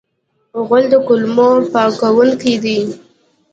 غول د کولمو پاکونکی دی.